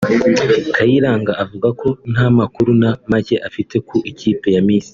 Kayiranga avuga ko nta makuru na make afite ku ikipe ya Misiri